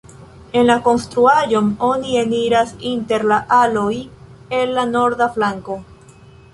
En la konstruaĵon oni eniras inter la aloj el la norda flanko.